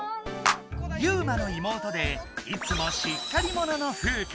ユウマの妹でいつもしっかり者のフウカ。